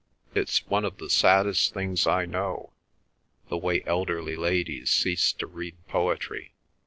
"It's one of the saddest things I know—the way elderly ladies cease to read poetry.